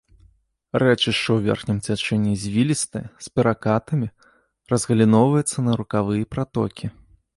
Рэчышча ў верхнім цячэнні звілістае, з перакатамі, разгаліноўваецца на рукавы і пратокі.